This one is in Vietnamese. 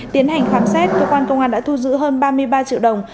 tiến hành khám xét cơ quan công an đã thu giữ hơn ba mươi ba triệu đồng